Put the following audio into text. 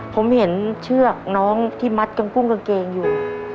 ผมเห็นเชือกน้องที่มัดกังกุ้งกางเกงอยู่